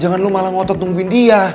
jangan lo malah ngotot nungguin dia